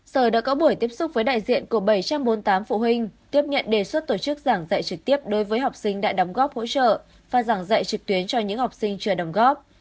sở đã có buổi tiếp xúc với đại diện của bảy trăm bốn mươi tám phụ huynh tiếp nhận đề xuất tổ chức giảng dạy trực tiếp đối với học sinh đã đóng góp hỗ trợ và giảng dạy trực tuyến cho những học sinh chưa đồng góp